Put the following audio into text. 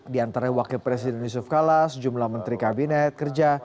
di antara wakil presiden yusuf kala sejumlah menteri kabinet kerja